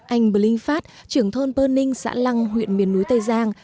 anh bình phát trưởng thôn bên ninh xã lăng huyện miền núi tây giang